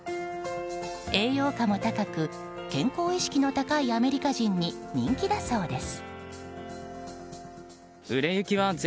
栄養価も高く、健康意識の高いアメリカ人に人気だそうです。